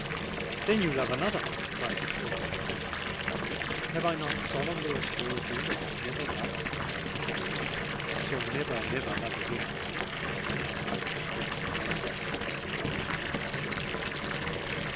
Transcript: "Then you love another!" cried the Earl, impatiently. "Have I not solemnly assured you that I never loved till I knew you—and shall never, never love again!" she added, with a convulsive sob, as if her heart were breaking.